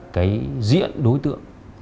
cái diễn đối tượng